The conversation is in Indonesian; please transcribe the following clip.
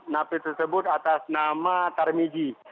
ada napi yang melihat kejadian tersebut